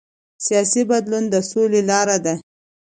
سیاسي بدلون د سولې لاره ده